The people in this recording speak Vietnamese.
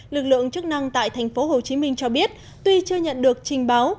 lực lượng chức năng tại thành phố hồ chí minh cho biết tuy chưa nhận được trình báo